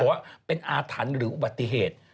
ว่าเป็นอาถรรพ์หรืออุบัติเหตุ